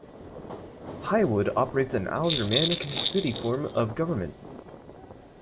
Highwood operates an aldermanic-city form of government.